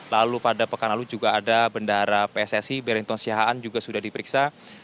lalu pada pekan lalu juga ada bendara pssi berenton siahaan juga sudah diperiksa